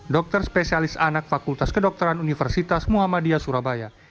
dokter spesialis anak fakultas kedokteran universitas muhammadiyah surabaya